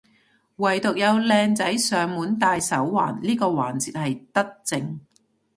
惟獨有靚仔上門戴手環呢個環節係德政